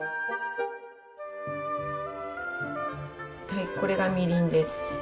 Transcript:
はいこれがみりんです。